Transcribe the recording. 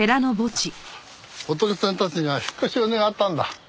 仏さんたちには引っ越しを願ったんだ。